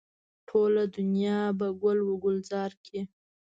ټوله دنیا به ګل و ګلزاره کړي.